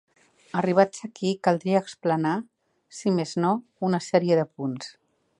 Arribats ací caldria explanar, si més no, una sèrie de punts.